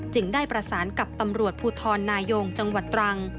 ได้ประสานกับตำรวจภูทรนายงจังหวัดตรัง